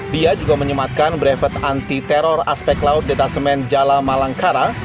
dia juga menyematkan brevet anti teror aspek laut detasemen jala malangkara